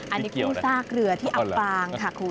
อันนี้คู่ซากเรือที่อำปางค่ะคุณ